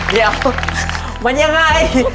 เดี๋ยวมันยังไง